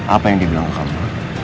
apa yang dibilang kamu